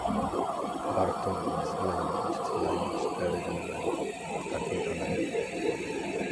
Warto uwzględnić co najmniej cztery elementy w takiej analizie: